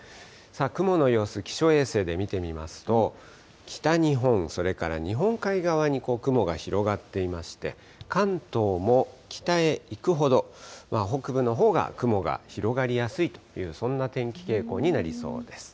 雲の様子、気象衛星で見てみますと、北日本、それから日本海側に雲が広がっていまして、関東も北へ行くほど、北部のほうが雲が広がりやすいという、そんな天気傾向になりそうです。